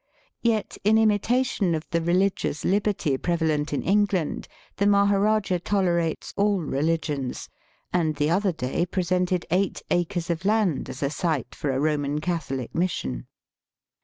Yet, in imitation of the religious liberty prevalent in England, the Maharajah tolerates all religions, and the other day pre sented eight acres of land as a site for a Eoman Catholic mission.